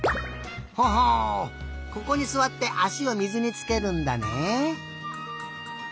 ほほうここにすわってあしを水につけるんだね。